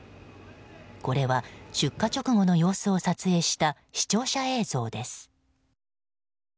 これは、出火直後の様子を撮影した視聴者映像です。